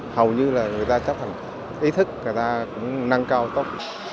hầu như là người ta chấp hành ý thức người ta cũng nâng cao tốt